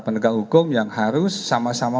penegak hukum yang harus sama sama